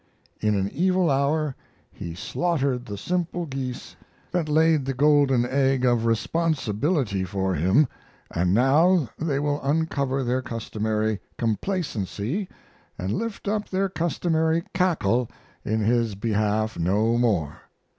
In an evil hour he slaughtered the simple geese that laid the golden egg of responsibility for him, and now they will uncover their customary complacency, and lift up their customary cackle in his behalf no more.